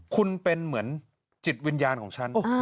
คุณเป็นเหมือนจิตวิญญาณของฉัน